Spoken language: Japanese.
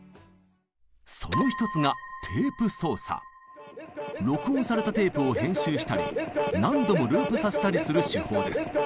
その一つが録音されたテープを編集したり何度もループさせたりする手法です。